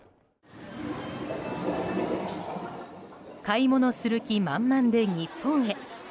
買い物する気満々で日本へ。